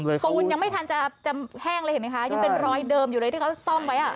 ปูนยังไม่ทันจะแห้งเลยเห็นไหมคะยังเป็นรอยเดิมอยู่เลยที่เขาซ่อมไว้อ่ะ